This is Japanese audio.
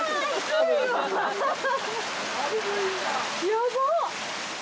やばっ。